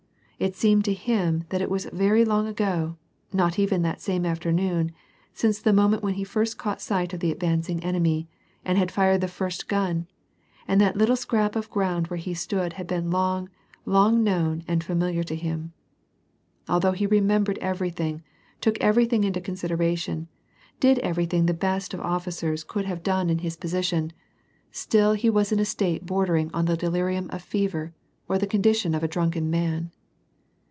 It seemed to him that It was very long ago, not even that same afternoon, since the moment when he first caught sight of the advancing enemy, and had fired the first gun, and that the little scrap of ground where he stood had been long, long known and familiar to him. Although he remembered everything, took everything into con sideration, did everything that the best of officers could have 230 ^y^^n A\D PEACE. done in his position, still he was in a state bordering on the delirium of fever, or the condition of a drunken man.